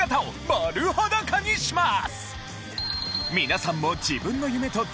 丸裸にします。